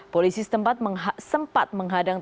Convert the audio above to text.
polisi setempat sempat menghadangkan